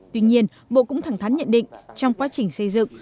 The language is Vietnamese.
tuy nhiên bộ cũng thẳng thắn nhận định trong quá trình xây dựng